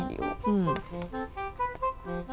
うん。